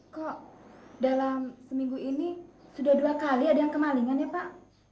kok dalam seminggu ini sudah dua kali ada yang kemalingan ya pak